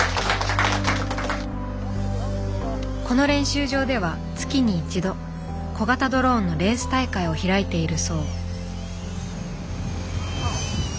この練習場では月に１度小型ドローンのレース大会を開いているそう。